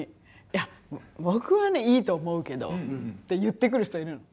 「いや僕はねいいと思うけど」って言ってくる人いるの。